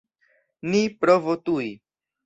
Ni provu tuj!